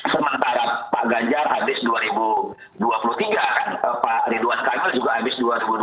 sementara pak ganjar habis dua ribu dua puluh tiga kan pak ridwan kamil juga habis dua ribu dua puluh